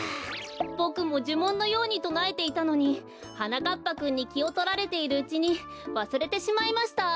ボクもじゅもんのようにとなえていたのにはなかっぱくんにきをとられているうちにわすれてしまいました！